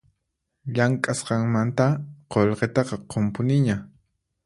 Llamk'asqanmanta qullqitaqa qunpuniña